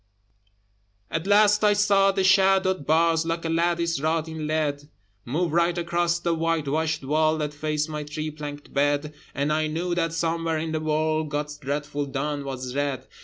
At last I saw the shadowed bars Like a lattice wrought in lead, Move right across the whitewashed wall That faced my three plank bed, And I knew that somewhere in the world God's dreadful dawn was red.